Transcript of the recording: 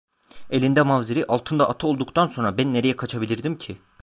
Elinde mavzeri, altında atı olduktan sonra ben nereye kaçabilirdim ki?